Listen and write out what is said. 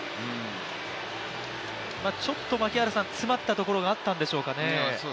ちょっと詰まったところがあったんでしょうかね。